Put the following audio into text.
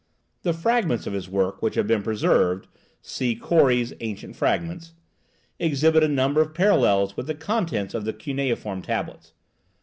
The fragments of his work which have been preserved (see Cory's 'Ancient Fragments') exhibit a number of parallels with the contents of the cuneiform tablets.